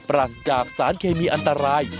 รัสจากสารเคมีอันตราย